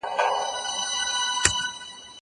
زه مخکي مېوې خوړلي وه!؟